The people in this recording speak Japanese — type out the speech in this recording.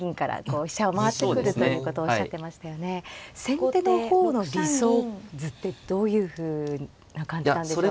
先手の方の理想図ってどういうふうな感じなんでしょうか。